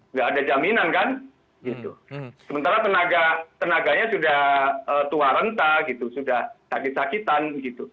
nggak ada jaminan kan gitu sementara tenaganya sudah tua renta gitu sudah sakit sakitan gitu